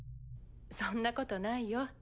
そんなことないよ。